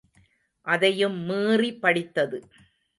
அதையும் மீறி, படித்தது.